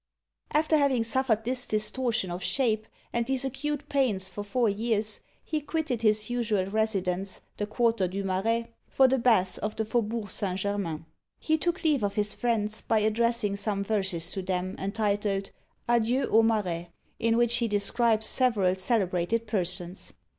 After having suffered this distortion of shape, and these acute pains for four years, he quitted his usual residence, the quarter du Marais, for the baths of the Fauxbourg Saint Germain. He took leave of his friends, by addressing some verses to them, entitled, Adieu aux Marais; in which he describes several celebrated persons.